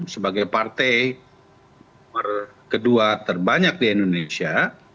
sebagai partai kedua terbanyak di indonesia